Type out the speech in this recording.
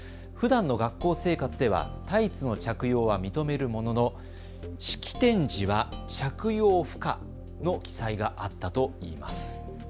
ふだんの学校生活ではタイツの着用は認めるものの式典時は着用不可の記載があったといいます。